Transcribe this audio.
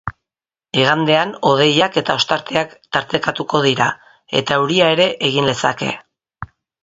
Igandean, hodeiak eta ostarteak tartekatuko dira, eta euria ere egin lezake.